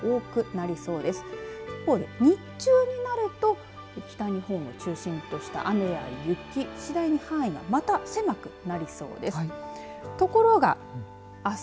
一方で日中になると北日本を中心とした雨や雪次第に範囲がまた狭くなりそうです。